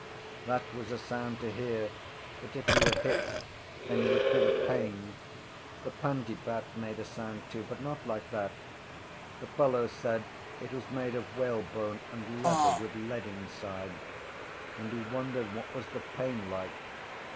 That was a sound to hear but if you were hit then you would feel a pain. The pandybat made a sound too but not like that. The fellows said it was made of whalebone and leather with lead inside: and he wondered what was the pain like.